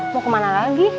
mau kemana lagi